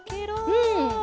うん。